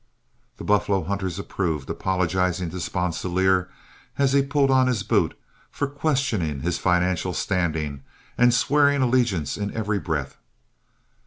The buffalo hunters approved, apologizing to Sponsilier, as he pulled on his boot, for questioning his financial standing, and swearing allegiance in every breath.